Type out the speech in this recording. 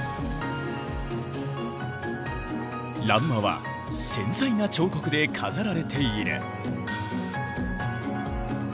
欄間は繊細な彫刻で飾られている。